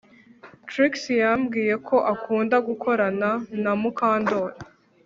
Trix yambwiye ko akunda gukorana na Mukandoli